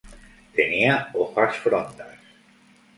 Tenía hojas frondas.